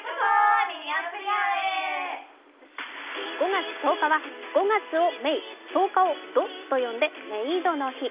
５月１０日は、５月をＭＡＹ、１０日を「ド」と読んでメイドの日。